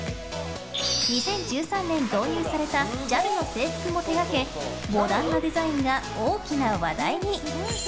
２０１３年導入されたＪＡＬの制服も手掛けモダンなデザインが大きな話題に。